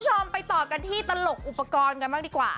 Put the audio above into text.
คุณผู้ชมไปต่อกันที่ตลกอุปกรณ์กันบ้างดีกว่า